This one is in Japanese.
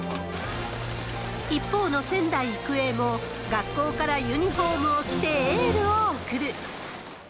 一方の仙台育英も、学校からユニホームを着てエールを送る。